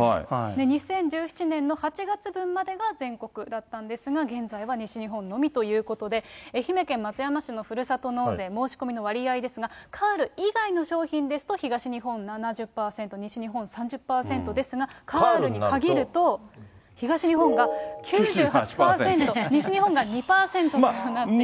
２０１７年の８月分までが全国だったんですが、現在は西日本のみということで、愛媛県松山市のふるさと納税、申し込みの割合ですが、カール以外の商品ですと、東日本７０％、西日本３０％ですが、カールに限ると、東日本が９８％、西日本が２％となっています。